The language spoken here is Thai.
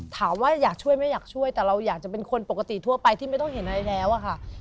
ถามว่าอยากช่วยไม่อยากช่วยแต่เราอยากจะเป็นคนปกติทั่วไปที่ไม่ต้องเห็นอะไรแล้วอะค่ะ